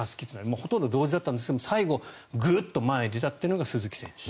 ほとんど同時だったんですが最後、グッと前に出たのが鈴木選手。